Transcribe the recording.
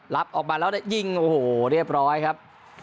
รับออกมาแล้วยิงโอ้โหเรียบร้อยครับ